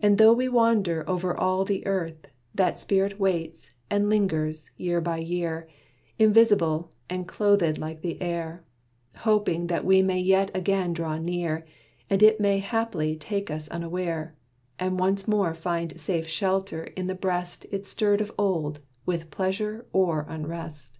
And though we wander over all the earth, That spirit waits, and lingers, year by year, Invisible, and clothèd like the air, Hoping that we may yet again draw near, And it may haply take us unaware, And once more find safe shelter in the breast It stirred of old with pleasure or unrest.